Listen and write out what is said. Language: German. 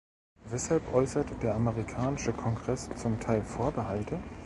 Weshalb äußert der amerikanische Kongreß zum Teil Vorbehalte ?